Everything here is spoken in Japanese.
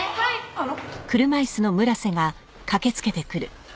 あの。